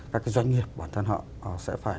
các cái doanh nghiệp bản thân họ sẽ phải